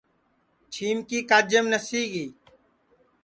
چاندُؔوڑی کاجیم نسی گی